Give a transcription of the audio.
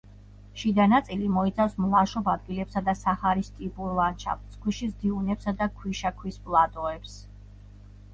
შიდა ნაწილი მოიცავს მლაშობ ადგილებსა და საჰარის ტიპურ ლანდშაფტს, ქვიშის დიუნებსა და ქვიშაქვის პლატოებს.